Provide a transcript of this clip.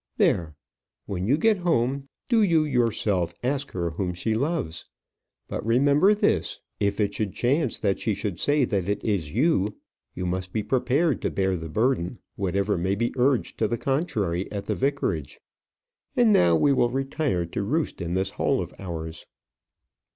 There; when you get home, do you yourself ask her whom she loves. But remember this if it should chance that she should say that it is you, you must be prepared to bear the burden, whatever may be urged to the contrary at the vicarage. And now we will retire to roost in this hole of ours."